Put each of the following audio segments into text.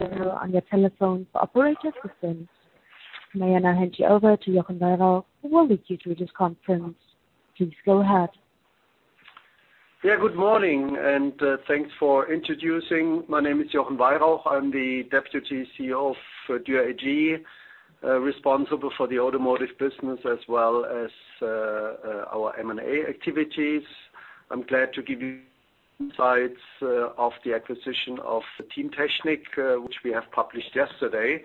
Thank you, Daniel, on your telephone for operator assistance. May I now hand you over to Jochen Weyrauch, who will lead you through this conference? Please go ahead. Yeah, good morning, and thanks for introducing. My name is Jochen Weyrauch. I'm the Deputy CEO of Dürr AG, responsible for the automotive business as well as our M&A activities. I'm glad to give you insights of the acquisition of Teamtechnik, which we have published yesterday,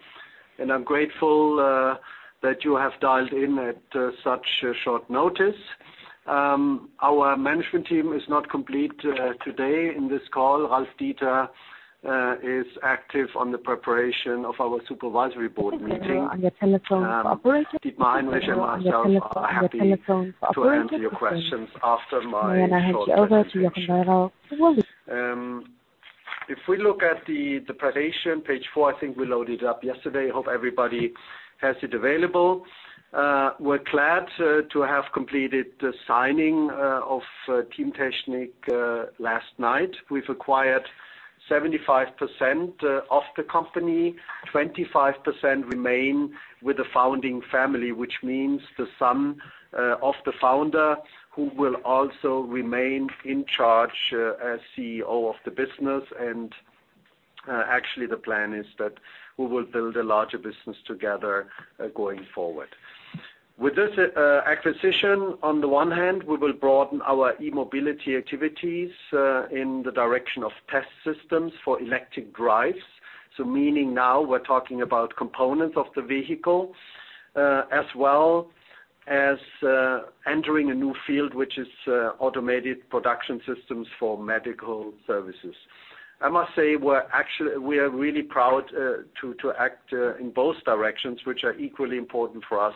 and I'm grateful that you have dialed in at such short notice. Our management team is not complete today in this call. Ralf Dieter is active on the preparation of our Supervisory Board meeting. Dietmar Heinrich and myself are happy to answer your questions after my short talk. [cross talking] [cross talking] May I hand you over to Jochen Weyrauch, who will. If we look at the presentation, page four, I think we loaded it up yesterday. I hope everybody has it available. We're glad to have completed the signing of Teamtechnik last night. We've acquired 75% of the company, 25% remain with the founding family, which means the son of the founder, who will also remain in charge as CEO of the business, and actually, the plan is that we will build a larger business together going forward. With this acquisition, on the one hand, we will broaden our e-mobility activities in the direction of test systems for electric drives, so meaning now we're talking about components of the vehicle as well as entering a new field, which is automated production systems for medical services. I must say we're really proud to act in both directions, which are equally important for us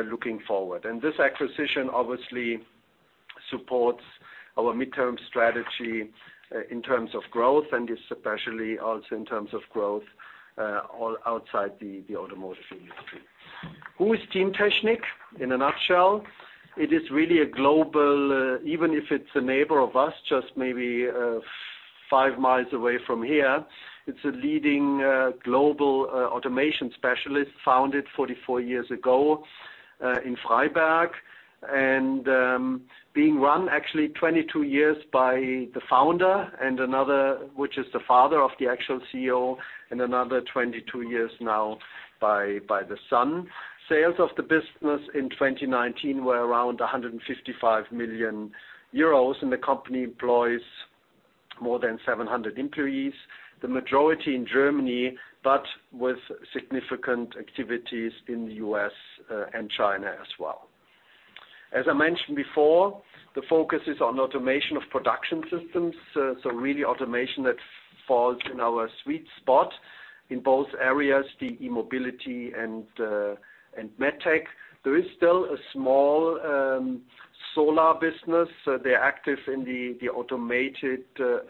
looking forward, and this acquisition obviously supports our midterm strategy in terms of growth, and especially also in terms of growth all outside the automotive industry. Who is Teamtechnik in a nutshell? It is really a global, even if it's a neighbor of us, just maybe five miles away from here. It's a leading global automation specialist founded 44 years ago in Freiberg and being run actually 22 years by the founder and another, which is the father of the actual CEO, and another 22 years now by the son. Sales of the business in 2019 were around 155 million euros, and the company employs more than 700 employees, the majority in Germany, but with significant activities in the U.S. and China as well. As I mentioned before, the focus is on automation of production systems, so really automation that falls in our sweet spot in both areas, the e-mobility and med tech. There is still a small solar business. They're active in the automated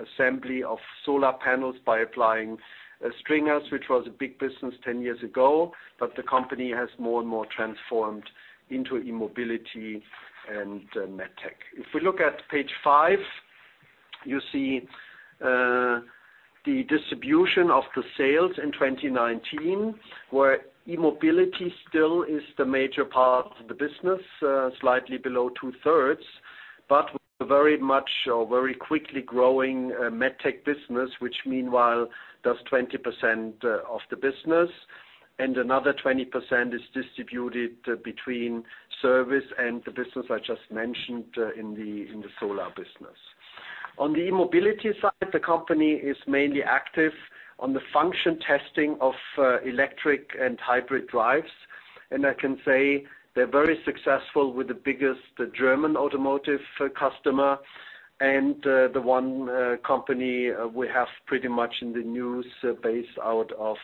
assembly of solar panels by applying stringers, which was a big business 10 years ago, but the company has more and more transformed into e-mobility and med tech. If we look at page five, you see the distribution of the sales in 2019, where e-mobility still is the major part of the business, slightly below two-thirds, but very much or very quickly growing med tech business, which meanwhile does 20% of the business, and another 20% is distributed between service and the business I just mentioned in the solar business. On the e-mobility side, the company is mainly active on the function testing of electric and hybrid drives. And I can say they're very successful with the biggest German automotive customer and the one company we have pretty much in the news based out of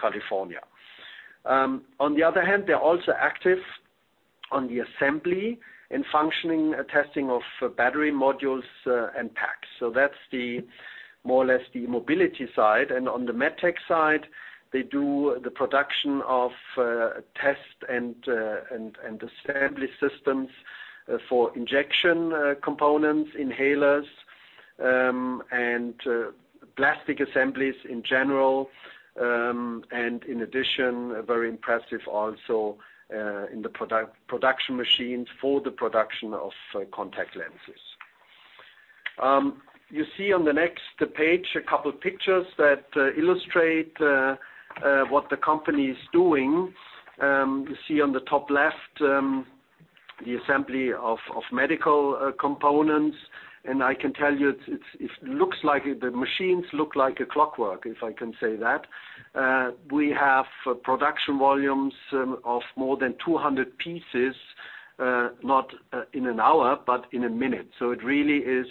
California. On the other hand, they're also active on the assembly and functioning testing of battery modules and packs. So that's more or less the e-mobility side. And on the med tech side, they do the production of test and assembly systems for injection components, inhalers, and plastic assemblies in general. And in addition, very impressive also in the production machines for the production of contact lenses. You see on the next page a couple of pictures that illustrate what the company is doing. You see on the top left the assembly of medical components. And I can tell you it looks like the machines look like a clockwork, if I can say that. We have production volumes of more than 200 pieces, not in an hour, but in a minute, so it really is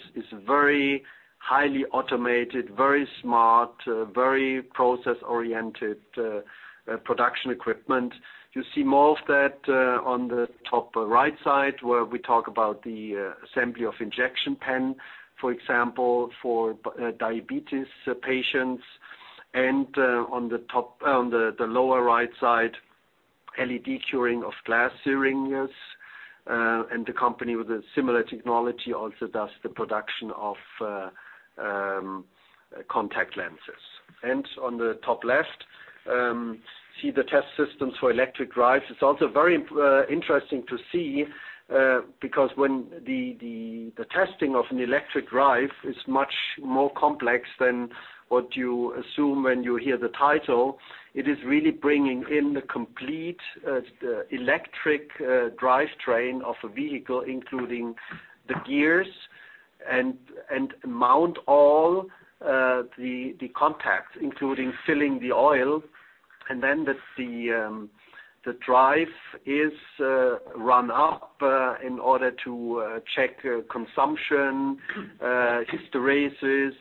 very highly automated, very smart, very process-oriented production equipment. You see more of that on the top right side where we talk about the assembly of injection pen, for example, for diabetes patients, and on the lower right side, LED curing of glass syringes, and the company with similar technology also does the production of contact lenses, and on the top left, see the test systems for electric drives. It's also very interesting to see because when the testing of an electric drive is much more complex than what you assume when you hear the title, it is really bringing in the complete electric drivetrain of a vehicle, including the gears and mount all the contacts, including filling the oil. And then the drive is run up in order to check consumption, hysteresis.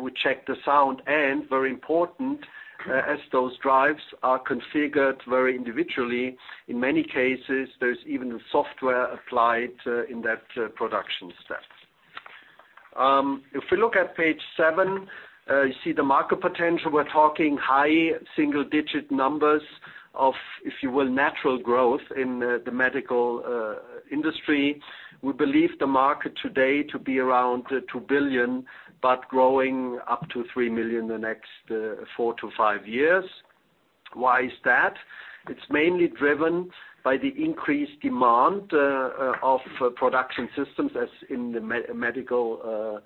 We check the sound. And very important, as those drives are configured very individually, in many cases, there's even software applied in that production step. If we look at page seven, you see the market potential. We're talking high single-digit numbers of, if you will, natural growth in the medical industry. We believe the market today to be around 2 billion, but growing up to 3 million in the next four to five years. Why is that? It's mainly driven by the increased demand of production systems as in the medical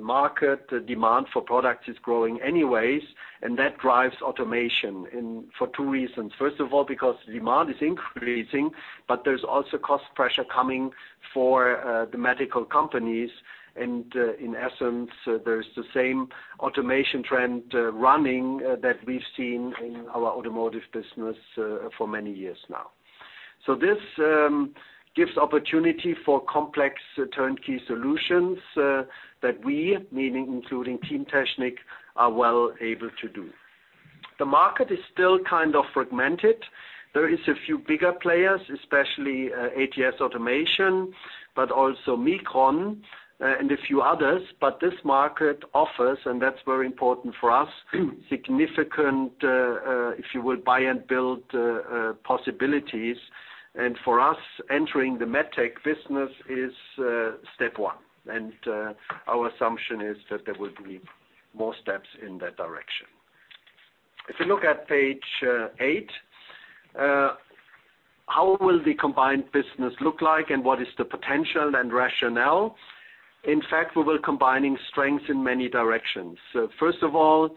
market. The demand for products is growing anyways, and that drives automation for two reasons. First of all, because demand is increasing, but there's also cost pressure coming for the medical companies. And in essence, there's the same automation trend running that we've seen in our automotive business for many years now. So this gives opportunity for complex turnkey solutions that we, meaning including Teamtechnik, are well able to do. The market is still kind of fragmented. There are a few bigger players, especially ATS Automation, but also Mikron and a few others. But this market offers, and that's very important for us, significant, if you will, buy-and-build possibilities. And for us, entering the med tech business is step one. And our assumption is that there will be more steps in that direction. If we look at page eight, how will the combined business look like, and what is the potential and rationale? In fact, we will be combining strengths in many directions. First of all,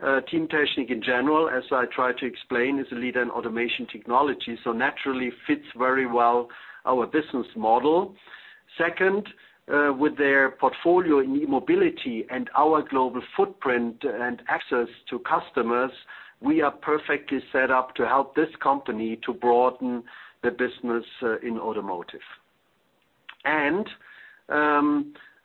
Teamtechnik in general, as I tried to explain, is a leader in automation technology, so naturally fits very well our business model. Second, with their portfolio in e-mobility and our global footprint and access to customers, we are perfectly set up to help this company to broaden the business in automotive. And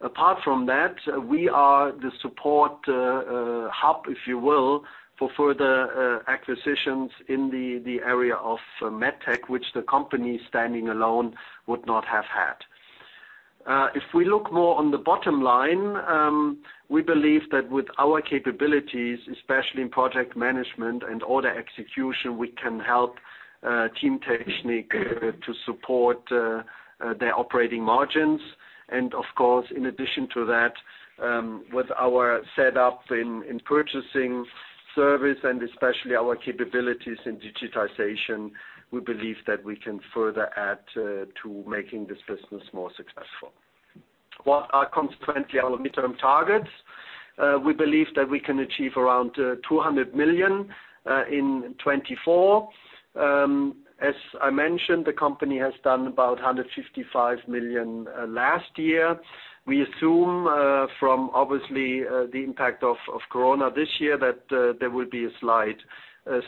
apart from that, we are the support hub, if you will, for further acquisitions in the area of med tech, which the company standing alone would not have had. If we look more on the bottom line, we believe that with our capabilities, especially in project management and order execution, we can help Teamtechnik to support their operating margins. And of course, in addition to that, with our setup in purchasing service and especially our capabilities in digitization, we believe that we can further add to making this business more successful. What are consequently our midterm targets? We believe that we can achieve around 200 million in 2024. As I mentioned, the company has done about 155 million last year. We assume from obviously the impact of Corona this year that there will be a slight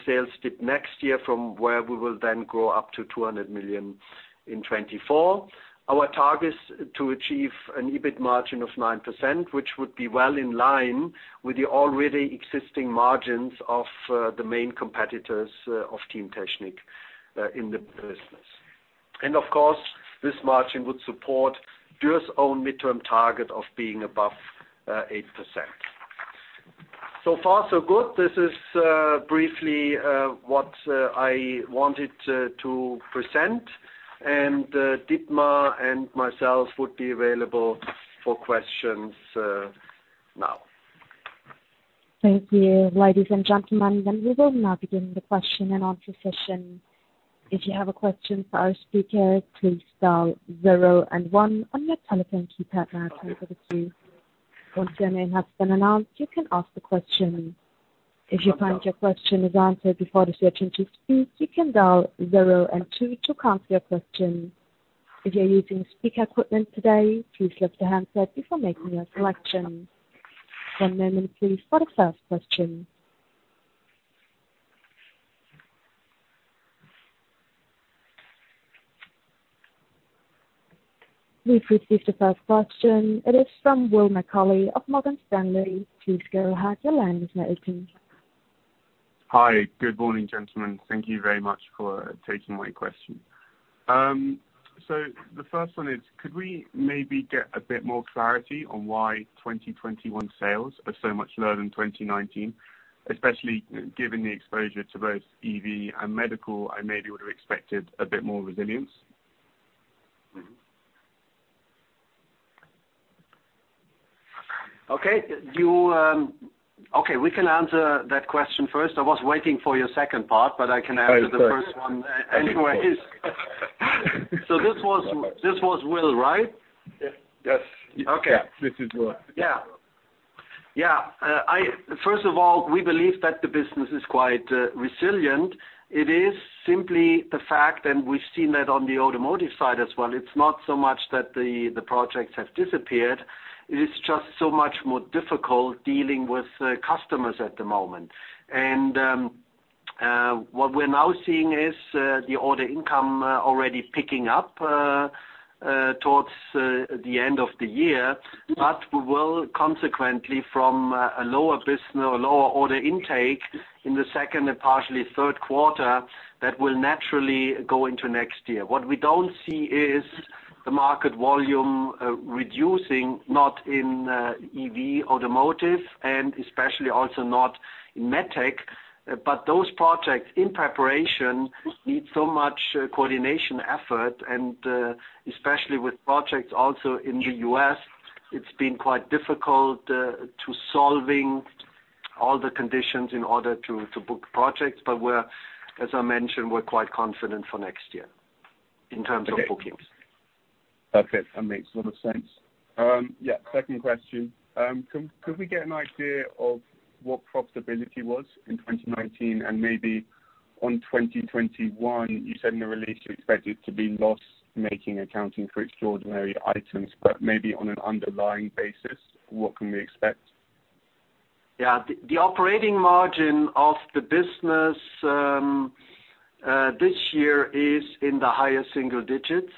sales dip next year from where we will then grow up to 200 million in 2024. Our target is to achieve an EBIT margin of 9%, which would be well in line with the already existing margins of the main competitors of Teamtechnik in the business. And of course, this margin would support Dürr's own midterm target of being above 8%. So far, so good. This is briefly what I wanted to present. And Dietmar and myself would be available for questions now. Thank you. Ladies and gentlemen, then we will now begin the Question and Answer session. If you have a question for our speaker, please dial zero and one on your telephone keypad now. Once your name has been announced, you can ask the question. If you find your question is answered before the management speaks, you can dial zero and two to cancel your question. If you're using speaker equipment today, please lift the handset before making your selection. One moment, please, for the first question. We've received the first question. It is from Will Macaulay of Morgan Stanley. Please go ahead. Your line is now open. Hi. Good morning, gentlemen. Thank you very much for taking my question. So the first one is, could we maybe get a bit more clarity on why 2021 sales are so much lower than 2019, especially given the exposure to both EV and medical? I maybe would have expected a bit more resilience. Okay. Okay. We can answer that question first. I was waiting for your second part, but I can answer the first one anyways. So this was Will, right? Yes. Yes. Okay. This is Will. Yeah. Yeah. First of all, we believe that the business is quite resilient. It is simply the fact that we've seen that on the automotive side as well. It's not so much that the projects have disappeared. It is just so much more difficult dealing with customers at the moment. And what we're now seeing is the order intake already picking up towards the end of the year, but we will consequently from a lower order intake in the second and partially third quarter that will naturally go into next year. What we don't see is the market volume reducing, not in EV automotive and especially also not in med tech. But those projects in preparation need so much coordination effort. And especially with projects also in the U.S., it's been quite difficult to solve all the conditions in order to book projects. But as I mentioned, we're quite confident for next year in terms of bookings. Okay. That makes a lot of sense. Yeah. Second question. Could we get an idea of what profitability was in 2019? And maybe on 2021, you said in the release you expected to be loss-making accounting for extraordinary items, but maybe on an underlying basis, what can we expect? Yeah. The operating margin of the business this year is in the higher single digits.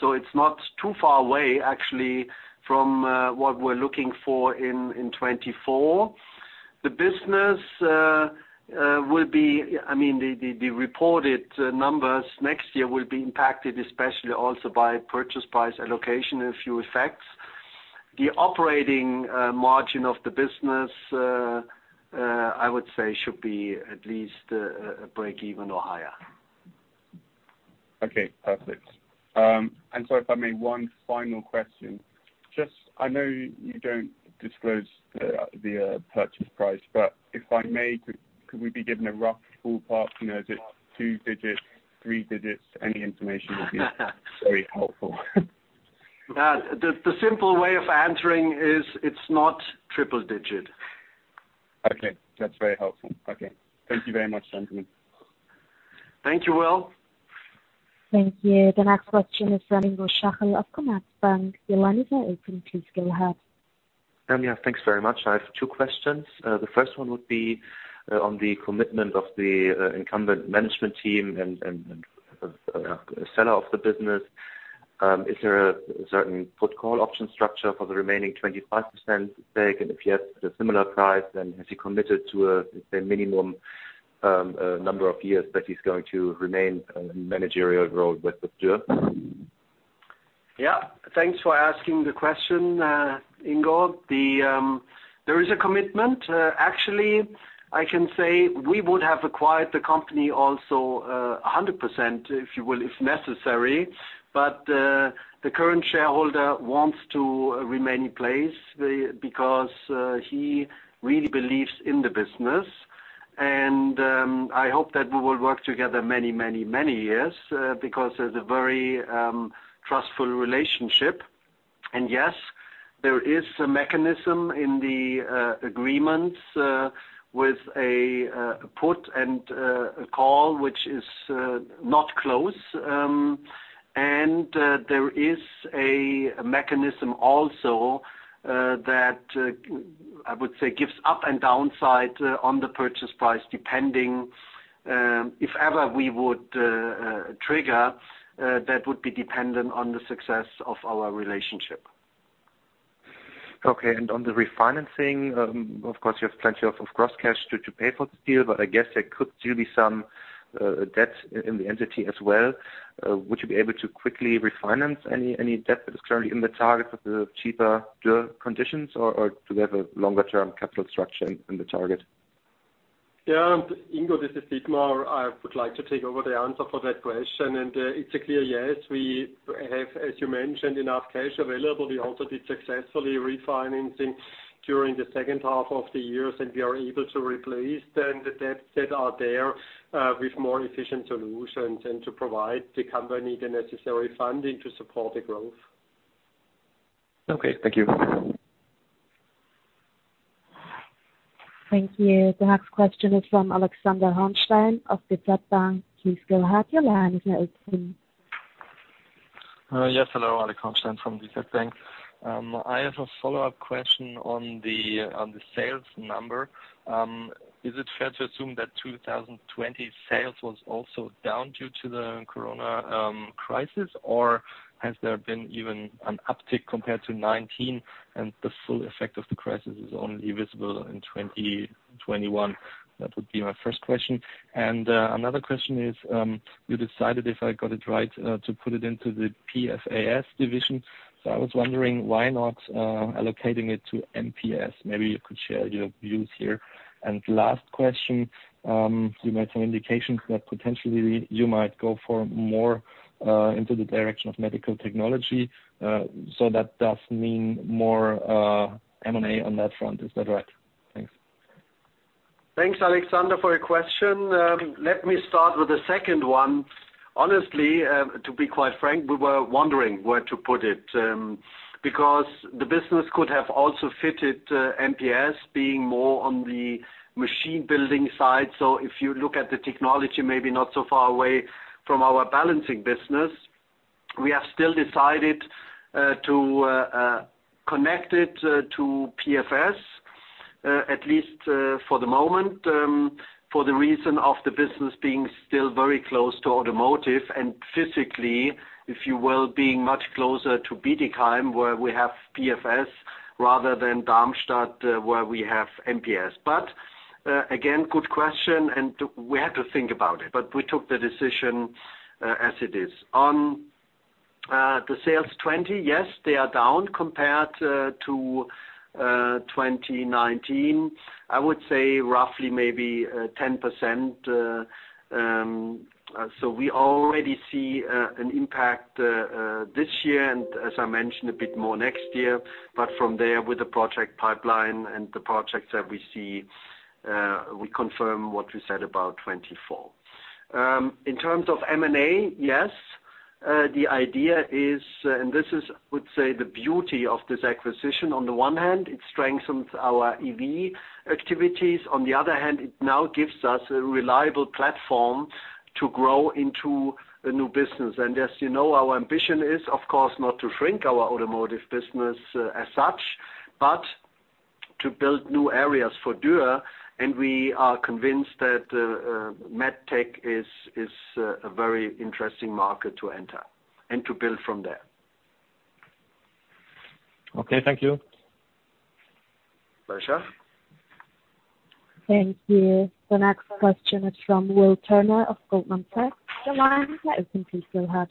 So it's not too far away actually from what we're looking for in 2024. The business will be I mean, the reported numbers next year will be impacted especially also by purchase price allocation and a few effects. The operating margin of the business, I would say, should be at least a break-even or higher. Okay. Perfect, and so if I may, one final question. Just, I know you don't disclose the purchase price, but if I may, could we be given a rough ballpark? Is it two digits, three digits? Any information would be very helpful. The simple way of answering is it's not triple digit. Okay. That's very helpful. Okay. Thank you very much, gentlemen. Thank you, Will. Thank you. The next question is from Ingo Schachel of Commerzbank. Your line is now open. Please go ahead. Yeah. Thanks very much. I have two questions. The first one would be on the commitment of the incumbent management team and seller of the business. Is there a certain Put-Call option structure for the remaining 25% stake? And if you have a similar price, then has he committed to a minimum number of years that he's going to remain in managerial role with Dürr? Yeah. Thanks for asking the question, Ingo. There is a commitment. Actually, I can say we would have acquired the company also 100%, if you will, if necessary. But the current shareholder wants to remain in place because he really believes in the business. And I hope that we will work together many, many, many years because there's a very trustful relationship. And yes, there is a mechanism in the agreements with a Put and a Call, which is not close. And there is a mechanism also that I would say gives upside and downside on the purchase price depending if ever we would trigger, that would be dependent on the success of our relationship. Okay. And on the refinancing, of course, you have plenty of gross cash to pay for the deal, but I guess there could still be some debt in the entity as well. Would you be able to quickly refinance any debt that is currently in the target with the cheaper Dürr conditions, or do you have a longer-term capital structure in the target? Yeah. Ingo, this is Dietmar. I would like to take over the answer for that question, and it's a clear yes. We have, as you mentioned, enough cash available. We also did successfully refinancing during the second half of the year, and we are able to replace then the debts that are there with more efficient solutions and to provide the company the necessary funding to support the growth. Okay. Thank you. Thank you. The next question is from Alexander Hauenstein of DZ Bank. Please go ahead. Your line is now open. Yes. Hello. Alex Hauenstein from DZ Bank. I have a follow-up question on the sales number. Is it fair to assume that 2020 sales was also down due to the Corona crisis, or has there been even an uptick compared to 2019, and the full effect of the crisis is only visible in 2021? That would be my first question, and another question is, you decided, if I got it right, to put it into the PFS division, so I was wondering why not allocating it to MPS? Maybe you could share your views here, and last question, you made some indications that potentially you might go for more into the direction of medical technology, so that does mean more M&A on that front. Is that right? Thanks. Thanks, Alexander, for your question. Let me start with the second one. Honestly, to be quite frank, we were wondering where to put it because the business could have also fitted MPS being more on the machine-building side. So if you look at the technology, maybe not so far away from our balancing business, we have still decided to connect it to PFS, at least for the moment, for the reason of the business being still very close to automotive and physically, if you will, being much closer to Bietigheim, where we have PFS, rather than Darmstadt, where we have MPS. But again, good question, and we had to think about it, but we took the decision as it is. On the sales 2020, yes, they are down compared to 2019. I would say roughly maybe 10%. So we already see an impact this year, and as I mentioned, a bit more next year. But from there, with the project pipeline and the projects that we see, we confirm what we said about 2024. In terms of M&A, yes, the idea is, and this is, I would say, the beauty of this acquisition. On the one hand, it strengthens our EV activities. On the other hand, it now gives us a reliable platform to grow into a new business. And as you know, our ambition is, of course, not to shrink our automotive business as such, but to build new areas for Dürr. And we are convinced that Med Tech is a very interesting market to enter and to build from there. Okay. Thank you. Pleasure. Thank you. The next question is from Will Turner of Goldman Sachs. Your line is now open. Please go ahead.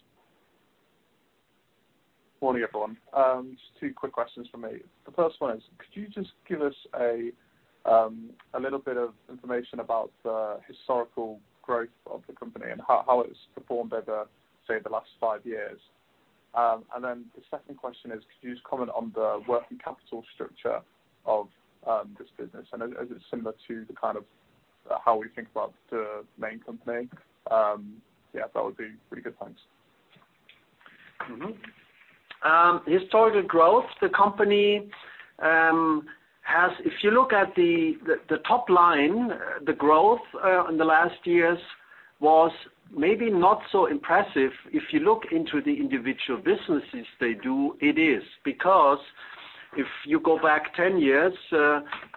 Morning, everyone. Just two quick questions for me. The first one is, could you just give us a little bit of information about the historical growth of the company and how it's performed over, say, the last five years? And then the second question is, could you just comment on the working capital structure of this business? And is it similar to the kind of how we think about the main company? Yeah, that would be really good. Thanks. Historical growth the company has. If you look at the top line, the growth in the last years was maybe not so impressive. If you look into the individual businesses they do, it is because if you go back 10 years,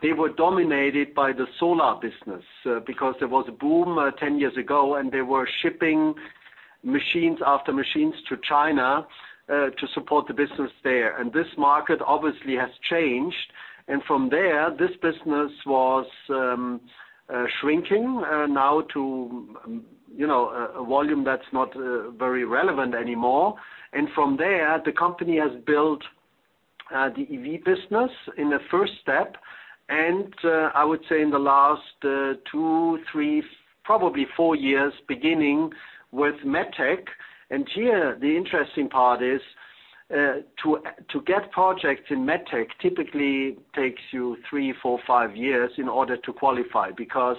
they were dominated by the solar business because there was a boom 10 years ago, and they were shipping machines after machines to China to support the business there, and this market obviously has changed, and from there, this business was shrinking now to a volume that's not very relevant anymore, and from there, the company has built the EV business in the first step, and I would say in the last two, three, probably four years, beginning with Med Tech. And here, the interesting part is to get projects in Med Tech typically takes you three, four, five years in order to qualify because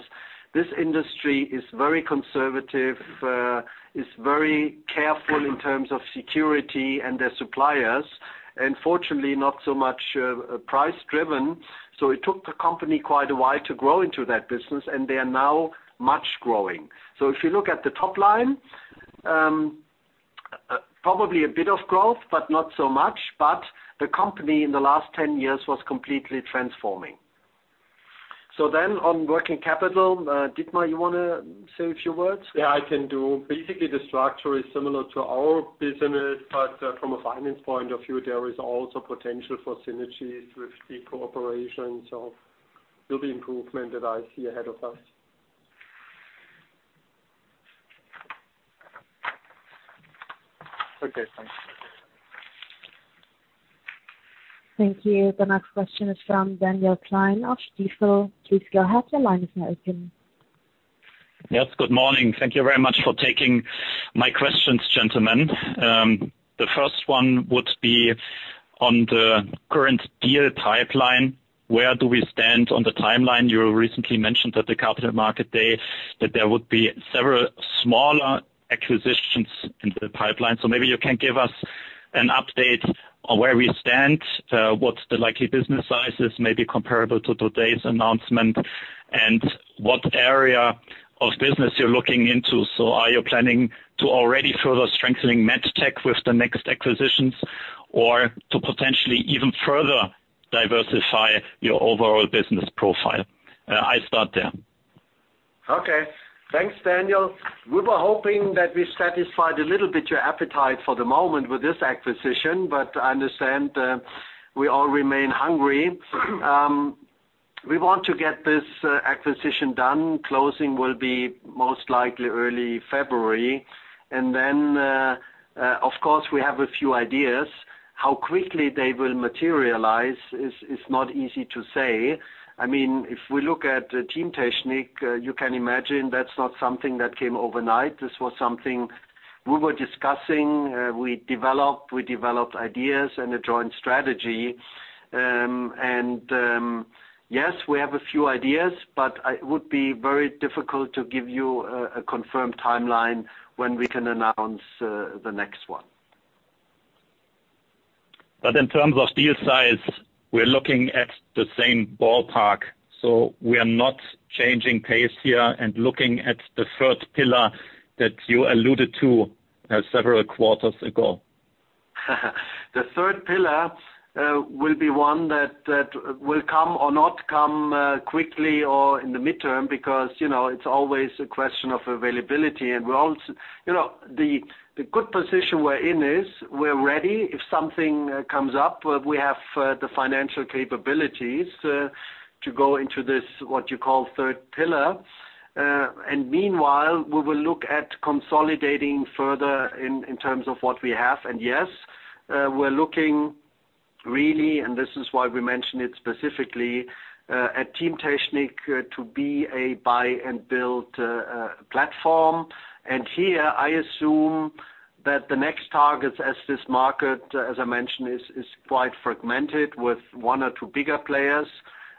this industry is very conservative, is very careful in terms of security and their suppliers, and fortunately, not so much price-driven. So it took the company quite a while to grow into that business, and they are now much growing. So if you look at the top line, probably a bit of growth, but not so much. But the company in the last 10 years was completely transforming. So then on working capital, Dietmar, you want to say a few words? Yeah, I can do. Basically, the structure is similar to our business, but from a finance point of view, there is also potential for synergies with the cooperation. So it'll be improvement that I see ahead of us. Okay. Thanks. Thank you. The next question is from Daniel Gleim of Stifel. Please go ahead. Your line is now open. Yes. Good morning. Thank you very much for taking my questions, gentlemen. The first one would be on the current deal pipeline. Where do we stand on the timeline? You recently mentioned at the Capital Market Day that there would be several smaller acquisitions in the pipeline. So maybe you can give us an update on where we stand, what the likely business size is, maybe comparable to today's announcement, and what area of business you're looking into. So are you planning to already further strengthening Med Tech with the next acquisitions or to potentially even further diversify your overall business profile? I'll start there. Okay. Thanks, Daniel. We were hoping that we satisfied a little bit your appetite for the moment with this acquisition, but I understand we all remain hungry. We want to get this acquisition done. Closing will be most likely early February, and then, of course, we have a few ideas. How quickly they will materialize is not easy to say. I mean, if we look at Temtechnik, you can imagine that's not something that came overnight. This was something we were discussing. We developed ideas and a joint strategy, and yes, we have a few ideas, but it would be very difficult to give you a confirmed timeline when we can announce the next one. But in terms of deal size, we're looking at the same ballpark. So we are not changing pace here and looking at the third pillar that you alluded to several quarters ago. The third pillar will be one that will come or not come quickly or in the midterm because it's always a question of availability. And the good position we're in is we're ready if something comes up. We have the financial capabilities to go into this, what you call, third pillar. And meanwhile, we will look at consolidating further in terms of what we have. And yes, we're looking really, and this is why we mentioned it specifically, at Team Technik to be a buy-and-build platform. And here, I assume that the next targets, as this market, as I mentioned, is quite fragmented with one or two bigger players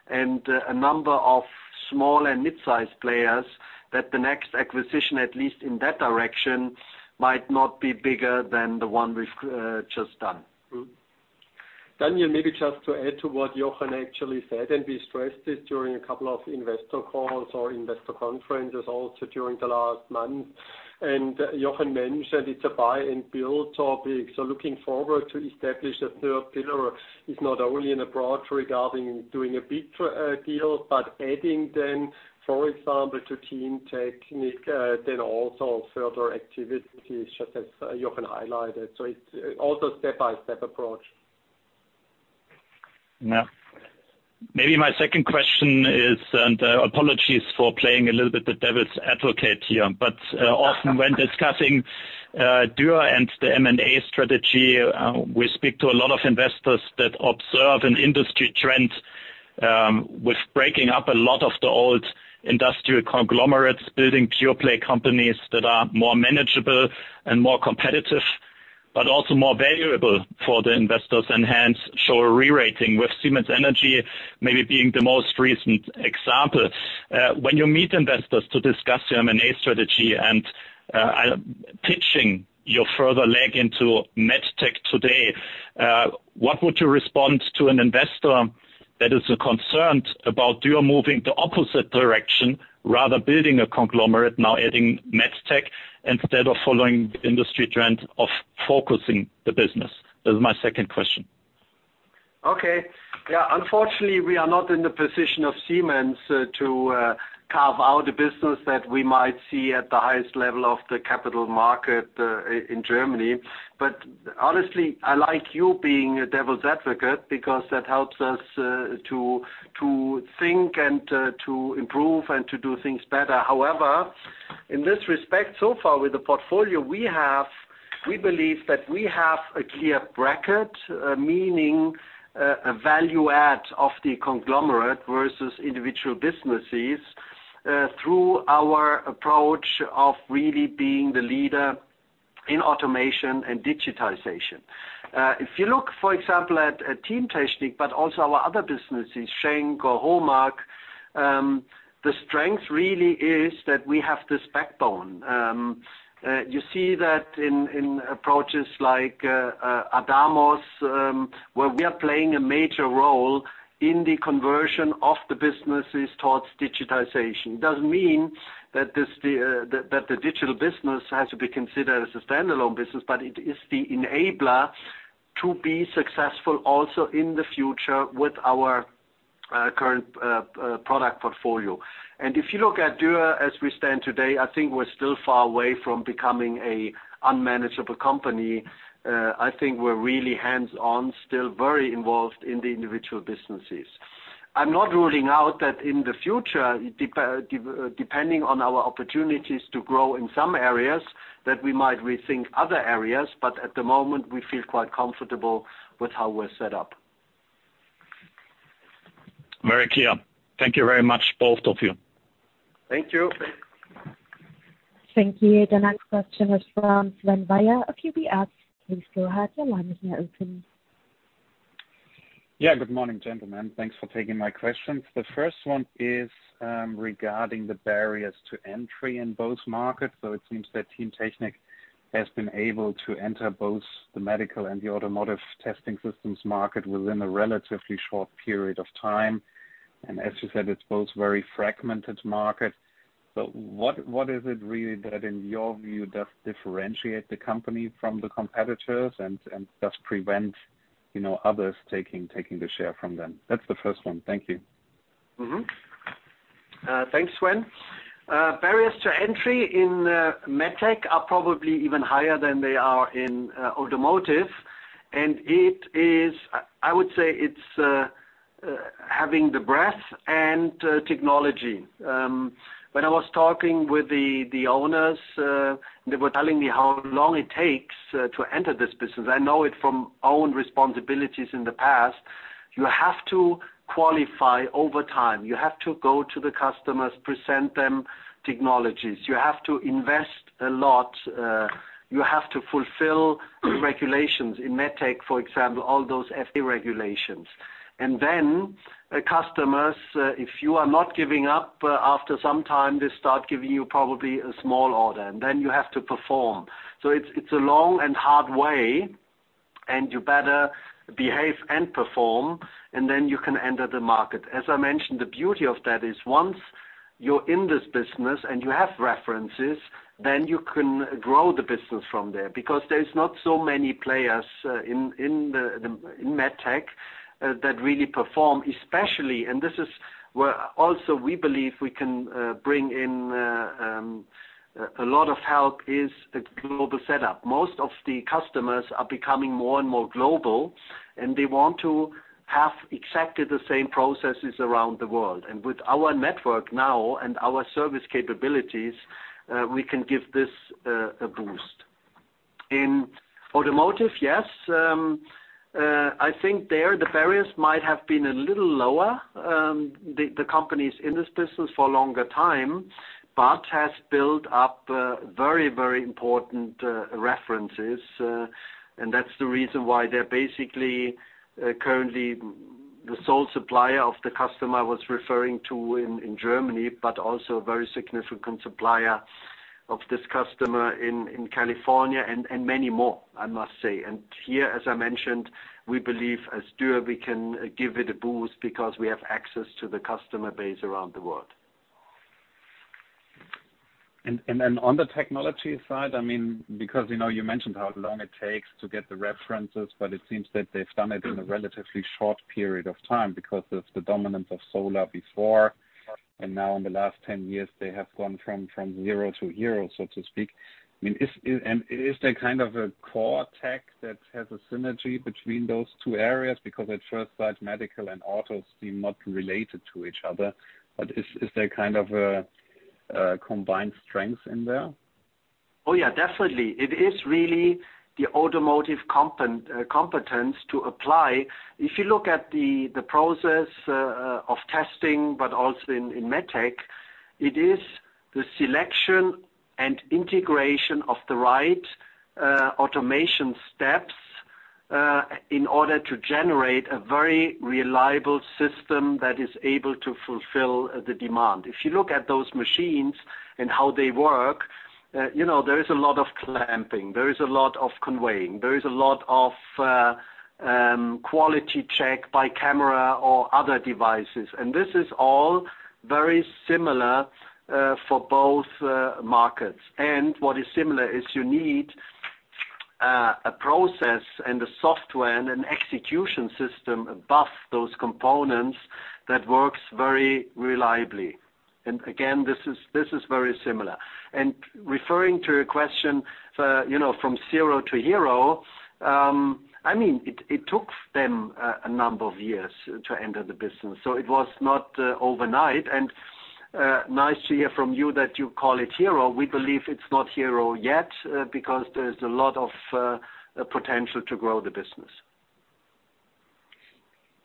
and a number of small and mid-sized players, that the next acquisition, at least in that direction, might not be bigger than the one we've just done. Daniel, maybe just to add to what Jochen actually said and we stressed this during a couple of investor calls or investor conferences also during the last month. And Jochen mentioned it's a buy-and-build topic. So looking forward to establish a third pillar is not only an approach regarding doing a big deal, but adding then, for example, to Teamtechnik, then also further activities, just as Jochen highlighted. So it's also a step-by-step approach. Yeah. Maybe my second question is, and apologies for playing a little bit the devil's advocate here, but often when discussing Dürr and the M&A strategy, we speak to a lot of investors that observe an industry trend with breaking up a lot of the old industrial conglomerates, building pure-play companies that are more manageable and more competitive, but also more valuable for the investors and hence show a re-rating, with Siemens Energy maybe being the most recent example. When you meet investors to discuss your M&A strategy and pitching your further leg into Med Tech today, what would you respond to an investor that is concerned about Dürr moving the opposite direction, rather building a conglomerate, now adding Med Tech instead of following the industry trend of focusing the business? That is my second question. Okay. Yeah. Unfortunately, we are not in the position of Siemens to carve out a business that we might see at the highest level of the capital market in Germany. But honestly, I like you being a devil's advocate because that helps us to think and to improve and to do things better. However, in this respect, so far with the portfolio, we believe that we have a clear bracket, meaning a value-add of the conglomerate versus individual businesses through our approach of really being the leader in automation and digitization. If you look, for example, at Teamtechnik, but also our other businesses, Schenck or Homag, the strength really is that we have this backbone. You see that in approaches like ADAMOS, where we are playing a major role in the conversion of the businesses towards digitization. It doesn't mean that the digital business has to be considered as a standalone business, but it is the enabler to be successful also in the future with our current product portfolio. And if you look at Dürr as we stand today, I think we're still far away from becoming an unmanageable company. I think we're really hands-on, still very involved in the individual businesses. I'm not ruling out that in the future, depending on our opportunities to grow in some areas, that we might rethink other areas. But at the moment, we feel quite comfortable with how we're set up. Very clear. Thank you very much, both of you. Thank you. Thank you. The next question is from Sven Weier of UBS. Please go ahead. Your line is now open. Yeah. Good morning, gentlemen. Thanks for taking my questions. The first one is regarding the barriers to entry in both markets. So it seems that Team Technik has been able to enter both the medical and the automotive testing systems market within a relatively short period of time. And as you said, it's both very fragmented markets. So what is it really that, in your view, does differentiate the company from the competitors and does prevent others taking the share from them? That's the first one. Thank you. Thanks, Sean. Barriers to entry in Med Tech are probably even higher than they are in automotive, and I would say it's having the breadth and technology. When I was talking with the owners, they were telling me how long it takes to enter this business. I know it from own responsibilities in the past. You have to qualify over time. You have to go to the customers, present them technologies. You have to invest a lot. You have to fulfill regulations. In med tech, for example, all those FA regulations, and then customers, if you are not giving up, after some time, they start giving you probably a small order, and then you have to perform, so it's a long and hard way, and you better behave and perform, and then you can enter the market. As I mentioned, the beauty of that is once you're in this business and you have references, then you can grow the business from there because there's not so many players in med tech that really perform, especially, and this is where also we believe we can bring in a lot of help, is a global setup. Most of the customers are becoming more and more global, and they want to have exactly the same processes around the world, and with our network now and our service capabilities, we can give this a boost. In automotive, yes. I think there the barriers might have been a little lower. The company is in this business for a longer time, but has built up very, very important references. That's the reason why they're basically currently the sole supplier of the customer I was referring to in Germany, but also a very significant supplier of this customer in California and many more, I must say. Here, as I mentioned, we believe as Dürr, we can give it a boost because we have access to the customer base around the world. And then on the technology side, I mean, because you mentioned how long it takes to get the references, but it seems that they've done it in a relatively short period of time because of the dominance of solar before. And now in the last 10 years, they have gone from zero to hero, so to speak. I mean, is there kind of a core tech that has a synergy between those two areas? Because at first sight, medical and autos seem not related to each other. But is there kind of a combined strength in there? Oh, yeah, definitely. It is really the automotive competence to apply. If you look at the process of testing, but also in Med Tech, it is the selection and integration of the right automation steps in order to generate a very reliable system that is able to fulfill the demand. If you look at those machines and how they work, there is a lot of clamping. There is a lot of conveying. There is a lot of quality check by camera or other devices. And this is all very similar for both markets. And what is similar is you need a process and a software and an execution system above those components that works very reliably. And again, this is very similar. And referring to your question from zero to hero, I mean, it took them a number of years to enter the business. So it was not overnight. Nice to hear from you that you call it hero. We believe it's not hero yet because there's a lot of potential to grow the business.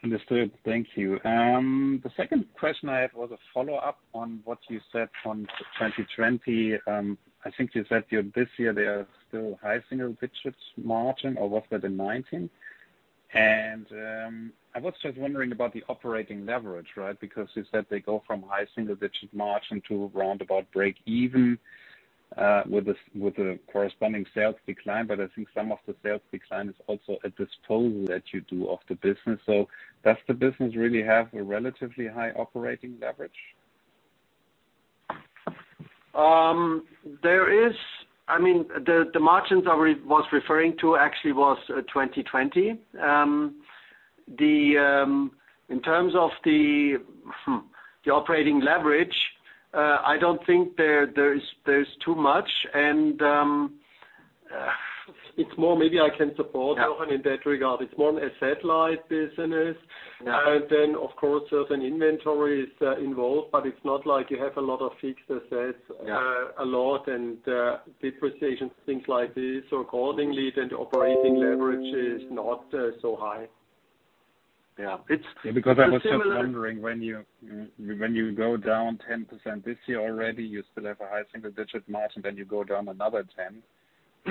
Understood. Thank you. The second question I have was a follow-up on what you said on 2020. I think you said this year there are still high single-digit margin or was that in 2019? And I was just wondering about the operating leverage, right? Because you said they go from high single-digit margin to roundabout break-even with the corresponding sales decline. But I think some of the sales decline is also at this part that you do of the business. So does the business really have a relatively high operating leverage? I mean, the margins I was referring to actually was 2020. In terms of the operating leverage, I don't think there is too much, and it's more. Maybe I can support Jochen in that regard. It's more an asset-like business, and then, of course, there's an inventory involved, but it's not like you have a lot of fixed assets a lot and depreciation, things like this, so accordingly, then the operating leverage is not so high. Yeah. Because I was just wondering, when you go down 10% this year already, you still have a high single-digit margin. Then you go down another 10%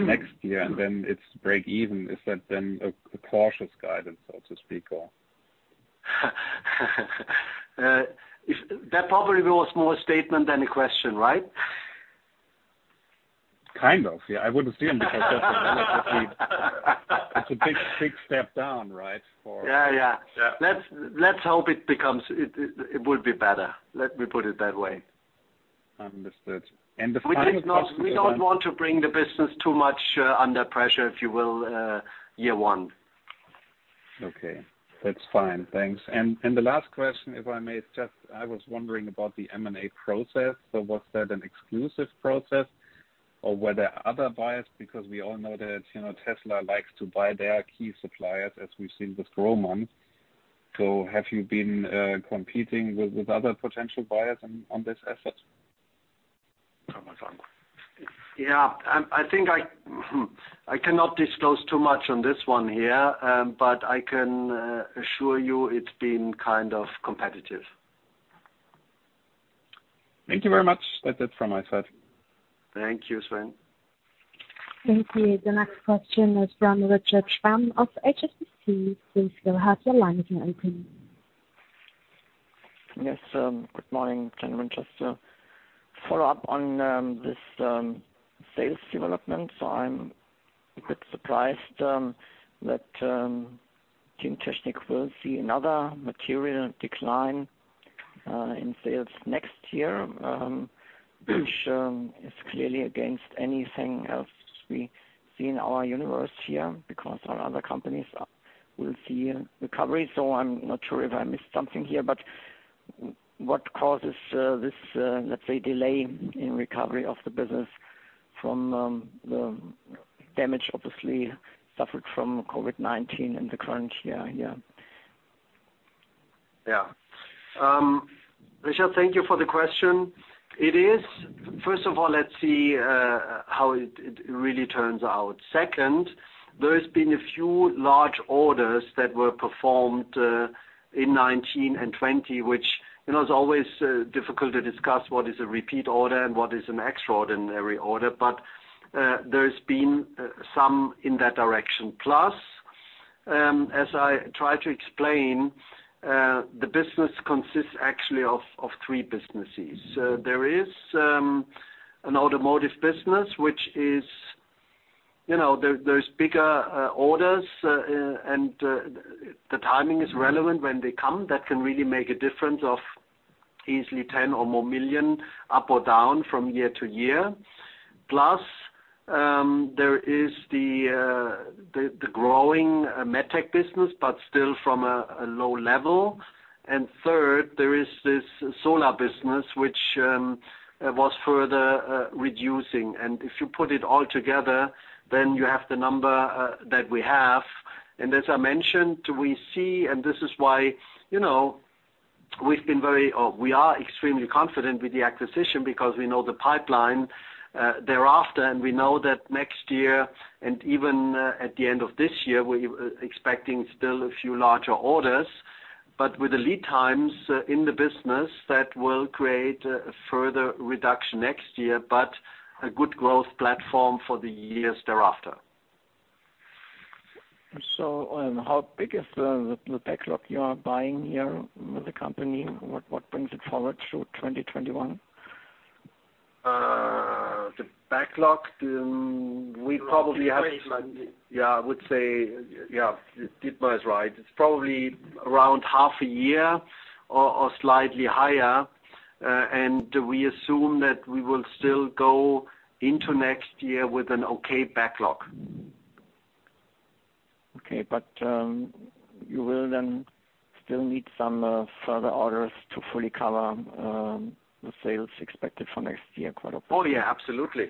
next year, and then it's break-even. Is that then a cautious guidance, so to speak, or? That probably was more a statement than a question, right? Kind of, yeah. I would assume because that's a relatively big step down, right? Yeah, yeah. Let's hope it will be better. Let me put it that way. Understood. And the final question? We don't want to bring the business too much under pressure, if you will, year one. Okay. That's fine. Thanks. And the last question, if I may, is just I was wondering about the M&A process. So was that an exclusive process or were there other buyers? Because we all know that Tesla likes to buy their key suppliers, as we've seen with Grohmann. So have you been competing with other potential buyers on this asset? Yeah. I think I cannot disclose too much on this one here, but I can assure you it's been kind of competitive. Thank you very much. That's it from my side. Thank you, Flynn. Thank you. The next question is from Richard Schramm of HSBC. Please go ahead with your line if you're open. Yes. Good morning, gentlemen. Just to follow up on this sales development. So I'm a bit surprised that application technology will see another material decline in sales next year, which is clearly against anything else we see in our universe here because our other companies will see recovery. So I'm not sure if I missed something here, but what causes this, let's say, delay in recovery of the business from the damage, obviously, suffered from COVID-19 in the current year here? Yeah. Richard, thank you for the question. First of all, let's see how it really turns out. Second, there have been a few large orders that were performed in 2019 and 2020, which is always difficult to discuss what is a repeat order and what is an extraordinary order. But there's been some in that direction. Plus, as I tried to explain, the business consists actually of three businesses. There is an automotive business, which is there's bigger orders, and the timing is relevant when they come that can really make a difference of easily 10 million or more up or down from year to year. Plus, there is the growing med tech business, but still from a low level. And third, there is this solar business, which was further reducing. And if you put it all together, then you have the number that we have. As I mentioned, we see, and this is why we are extremely confident with the acquisition because we know the pipeline thereafter, and we know that next year and even at the end of this year, we're expecting still a few larger orders, but with the lead times in the business, that will create a further reduction next year, but a good growth platform for the years thereafter. So how big is the backlog you are buying here with the company? What brings it forward through 2021? The backlog? We probably have to. Yeah. Yeah. I would say, yeah, Dietmar is right. It's probably around half a year or slightly higher, and we assume that we will still go into next year with an okay backlog. Okay, but you will then still need some further orders to fully cover the sales expected for next year, quite obviously. Oh, yeah. Absolutely.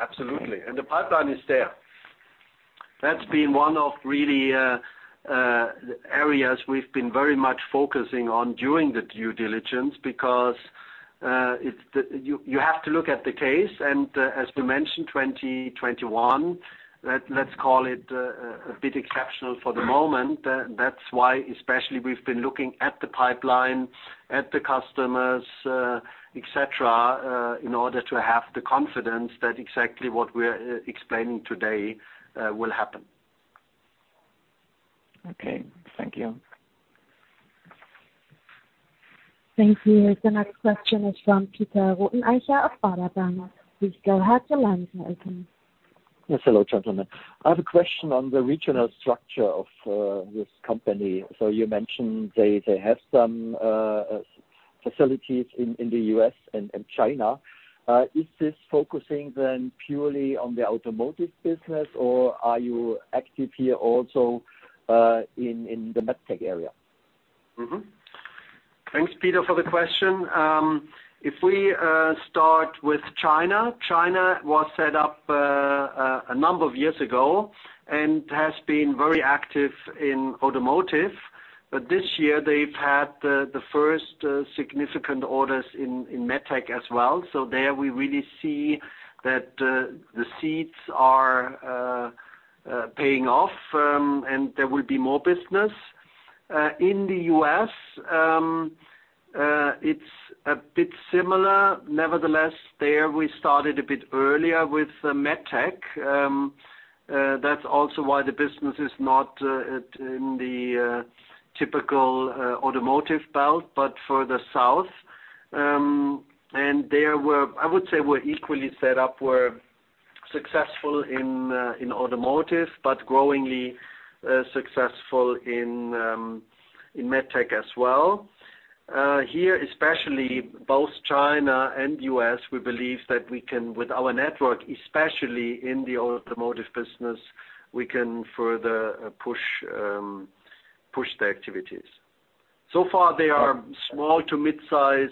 Absolutely. And the pipeline is there. That's been one of really the areas we've been very much focusing on during the due diligence because you have to look at the case. And as we mentioned, 2021, let's call it a bit exceptional for the moment. That's why, especially, we've been looking at the pipeline, at the customers, etc., in order to have the confidence that exactly what we're explaining today will happen. Okay. Thank you. Thank you. The next question is from Peter Rothenaicher of Warburg Research. Please go ahead with your line if you're open. Yes. Hello, gentlemen. I have a question on the regional structure of this company. So you mentioned they have some facilities in the U.S. and China. Is this focusing then purely on the automotive business, or are you active here also in the med tech area? Thanks, Peter, for the question. If we start with China, China was set up a number of years ago and has been very active in automotive. But this year, they've had the first significant orders in med tech as well, so there we really see that the seeds are paying off, and there will be more business. In the U.S., it's a bit similar. Nevertheless, there we started a bit earlier with med tech. That's also why the business is not in the typical automotive belt, but in the south, and I would say we're equally set up, we're successful in automotive, but growingly successful in med tech as well. Here, especially both China and U.S., we believe that with our network, especially in the automotive business, we can further push the activities. So far, they are small to mid-size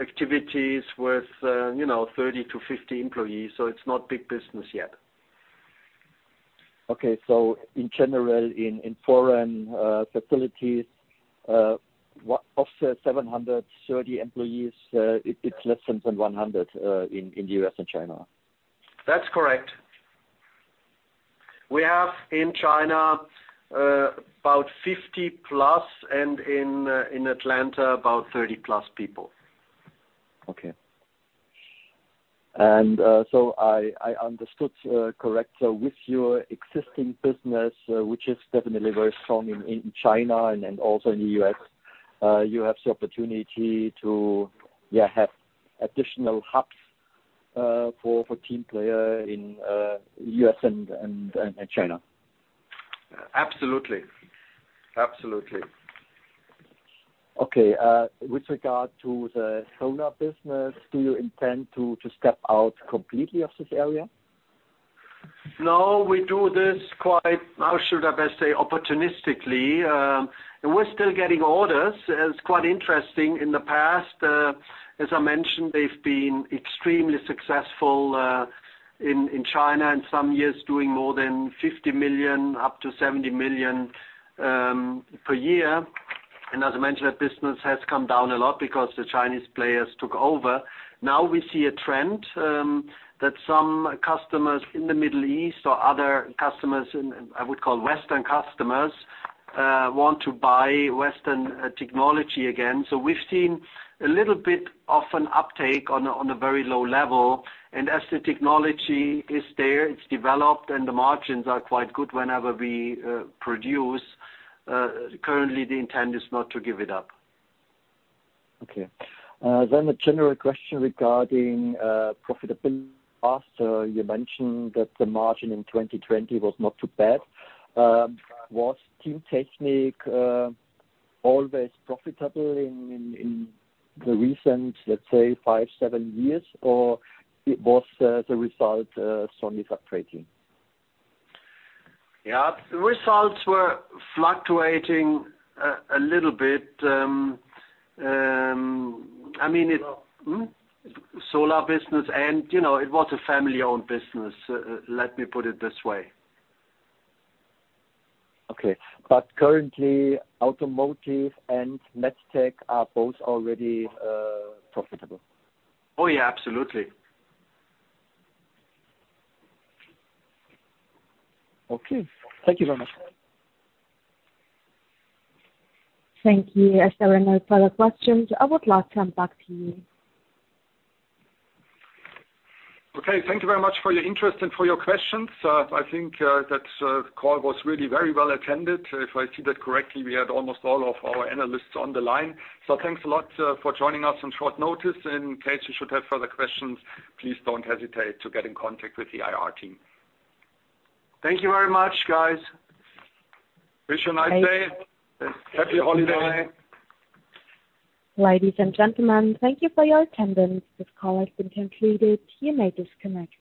activities with 30-50 employees. So it's not big business yet. Okay. So in general, in foreign facilities, of the 730 employees, it's less than 100 in the U.S. and China? That's correct. We have in China about 50 plus, and in Atlanta, about 30 plus people. Okay, and so I understood correctly with your existing business, which is definitely very strong in China and also in the U.S., you have the opportunity to, yeah, have additional hubs for Team Player in the U.S, and China? Absolutely. Absolutely. Okay. With regard to the Solar business, do you intend to step out completely of this area? No. We do this quite, how should I best say, opportunistically. We're still getting orders. It's quite interesting. In the past, as I mentioned, they've been extremely successful in China in some years, doing more than 50 million, up to 70 million per year. And as I mentioned, that business has come down a lot because the Chinese players took over. Now we see a trend that some customers in the Middle East or other customers, I would call Western customers, want to buy Western technology again. So we've seen a little bit of an uptake on a very low level. And as the technology is there, it's developed, and the margins are quite good whenever we produce. Currently, the intent is not to give it up. Okay. Then a general question regarding profitability. So you mentioned that the margin in 2020 was not too bad. Was Teamtechnik always profitable in the recent, let's say, five, seven years, or was the result strongly fluctuating? Yeah. The results were fluctuating a little bit. I mean, solar business, and it was a family-owned business, let me put it this way. Okay. But currently, automotive and med tech are both already profitable? Oh, yeah. Absolutely. Okay. Thank you very much. Thank you. If there are no further questions, I would like to come back to you. Okay. Thank you very much for your interest and for your questions. I think that the call was really very well attended. If I see that correctly, we had almost all of our analysts on the line. So thanks a lot for joining us on short notice. In case you should have further questions, please don't hesitate to get in contact with the IR team. Thank you very much, guys. Wish you a nice day. Happy holidays. Ladies and gentlemen, thank you for your attendance. This call has been completed. You may disconnect.